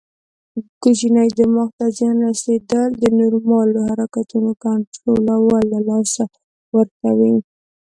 کوچني دماغ ته زیان رسېدل د نورمالو حرکتونو کنټرول له لاسه ورکوي.